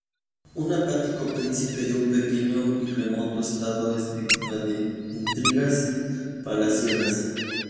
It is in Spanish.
Un apático príncipe de un pequeño y remoto estado es víctima de intrigas —palaciegas.